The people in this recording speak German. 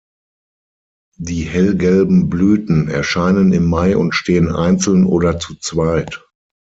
Die hellgelben Blüten erscheinen im Mai und stehen einzeln oder zu zweit.